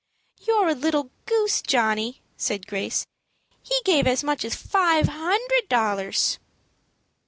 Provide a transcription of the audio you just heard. "You're a little goose, Johnny," said Grace. "He gave as much as five hundred dollars."